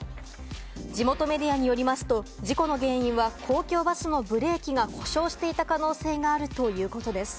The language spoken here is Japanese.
地元メディアによりますと、事故の原因は公共バスのブレーキが故障していた可能性があるということです。